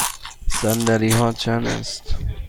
صندلی ها چند است؟